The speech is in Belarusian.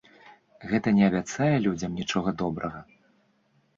Гэта не абяцае людзям нічога добрага.